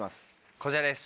こちらです。